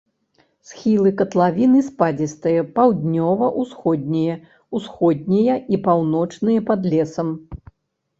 Схілы катлавіны спадзістыя, паўднёва-ўсходнія, усходнія і паўночныя пад лесам.